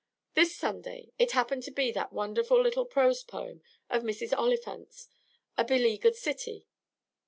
This Sunday it happened to be that wonderful little prose poem of Mrs. Oliphant's, "A Beleaguered City."